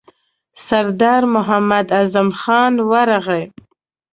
سردار محمد اعظم خان ورغی.